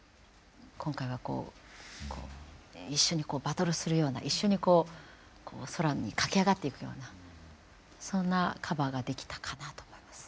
今回はこう一緒にバトルするような一緒にこう空に駆け上がっていくようなそんなカバーができたかなと思います。